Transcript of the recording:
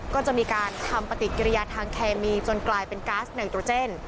ก็จะมีการทำปฏิกิริยาทางเคมีจนกลายเป็นก๊าซไนโตรเจน